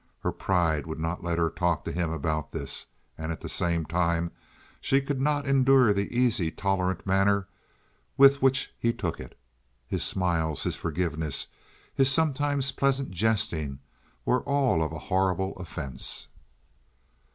Her pride would not let her talk to him about this, and at the same time she could not endure the easy, tolerant manner with which he took it. His smiles, his forgiveness, his sometimes pleasant jesting were all a horrible offense.